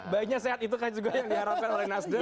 bayinya sehat itu kan juga yang diharapkan oleh nasdem